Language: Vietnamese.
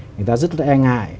người ta rất là e ngại